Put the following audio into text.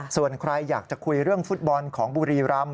ส่วนใครอยากจะคุยเรื่องฟุตบอลของบุรีรำ